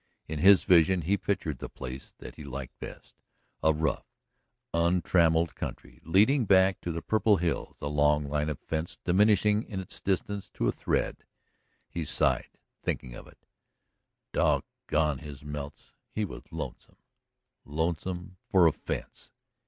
In his vision he pictured the place that he liked best a rough, untrammeled country leading back to the purple hills, a long line of fence diminishing in its distance to a thread. He sighed, thinking of it. Dog gone his melts, he was lonesome lonesome for a fence!